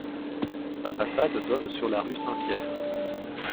Sa façade donne sur la rue Saint-Pierre.